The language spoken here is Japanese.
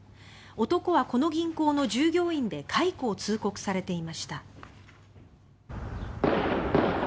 男はこの銀行の従業員で解雇を通告されていました。